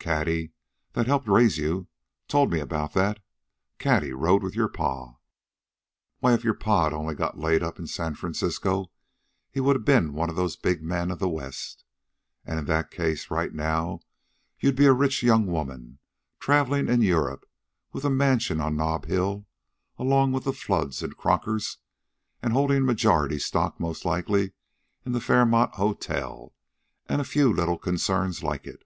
Cady, that helped raise you, told me about that. Cady rode with your pa. "Why, if your pa'd only got laid up in San Francisco, he would a ben one of the big men of the West. An' in that case, right now, you'd be a rich young woman, travelin' in Europe, with a mansion on Nob Hill along with the Floods and Crockers, an' holdin' majority stock most likely in the Fairmount Hotel an' a few little concerns like it.